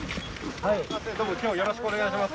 どうも、きょうはよろしくお願いします。